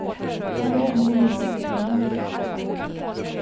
Pojken kunde inte se sig mätt på dem.